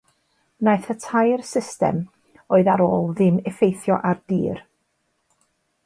Wnaeth y tair system oedd ar ôl ddim effeithio ar dir.